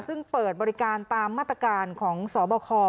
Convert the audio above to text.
ซึ่งเปิดบริการตามมาตรการของสบค